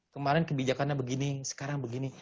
kemarin kebijakannya begini sekarang begini